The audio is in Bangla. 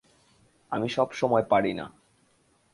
আমি সব সময় পারি না।